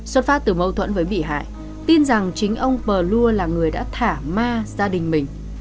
xuất phát từ mâu thuẫn với bị hại tin rằng chính ông pờ lua là người đã thả ma gia đình mình